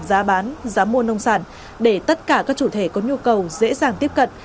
giá bán giá mua nông sản để tất cả các chủ thể có nhu cầu dễ dàng tiếp cận